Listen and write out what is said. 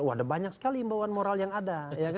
ada banyak sekali imbauan moral yang ada